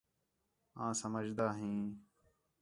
آں سمجھدا ھیں